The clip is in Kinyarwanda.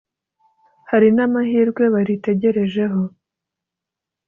hari n’amahirwe baritegerejeho